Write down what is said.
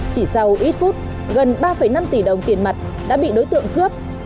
chỉ sau ít phút gần ba năm tỷ đồng tiền mặt đã bị đối tượng cướp